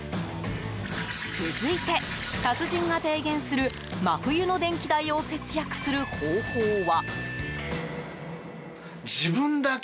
続いて、達人が提言する真冬の電気代を節約する方法は。